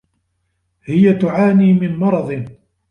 هي تعاني من مرض.